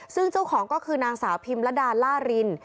ซึ่งเจ้าของก็คือนางสาวพิมระดาล่าริน